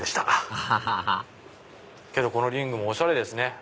アハハハけどこのリングもおしゃれですね。